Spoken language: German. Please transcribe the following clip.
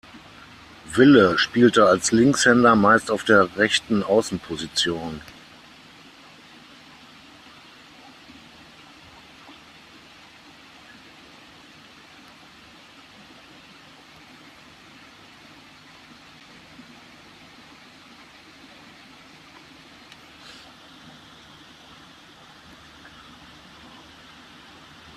Wille spielte als Linkshänder meist auf der rechten Außenposition.